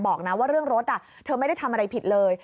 บอกนะว่าเรื่องรถเธอไม่ได้ทำอะไรผิดเลย